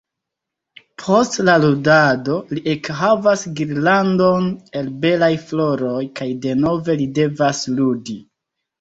Post la ludado li ekhavas girlandon el belaj floroj kaj denove li devas ludi.